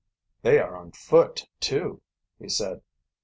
"They are on foot, too," he said.